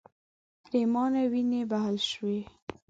پرېمانې وینې بهول شوې.